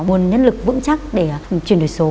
môn nhân lực vững chắc để chuyển đổi số